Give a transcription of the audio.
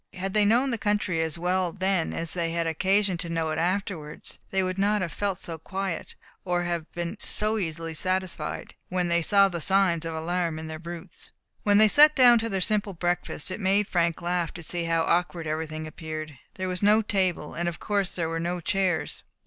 Had they known the country as well then as they had occasion to know it afterwards, they would not have felt so quiet, or have been so easily satisfied, when they saw the signs of alarm in their brutes. When they sat down to their simple breakfast, it made Frank laugh to see how awkward everything appeared. There was no table, and of course there were no chairs.